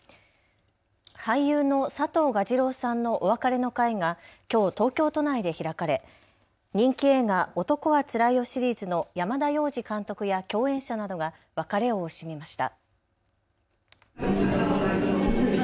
俳優の佐藤蛾次郎さんのお別れの会がきょう東京都内で開かれ、人気映画、男はつらいよシリーズの山田洋次監督や共演者などが別れを惜しみました。